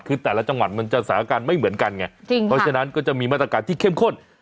คือแต่ละจังหวัดมันจะสถานการณ์ไม่เหมือนกันไงเพราะฉะนั้นก็จะมีมาตรการที่เข้มข้น